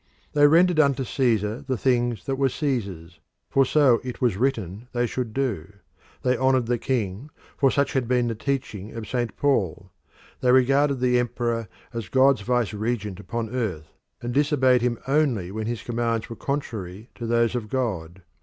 They rendered unto Caesar the things that were Caesar's, for so it was written they should do. They honoured the king, for such had been the teaching of St. Paul. They regarded the emperor as God's vice regent upon earth, and disobeyed him only when his commands were contrary to those of God.